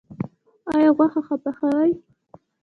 ایا غوښه ښه پخوئ؟